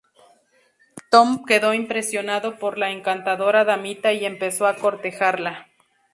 Tom quedó impresionado por la encantadora damita y empezó a cortejarla.